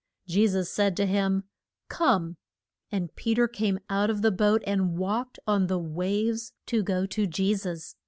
Je sus said to him, Come, and Pe ter came out of the boat and walked on the waves to go to Je sus.